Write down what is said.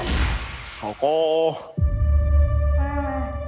そこ！